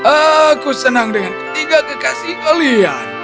aku senang dengan ketiga kekasih kalian